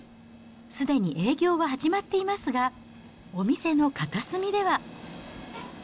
すでに営業は始まっていますが、お店の片隅では。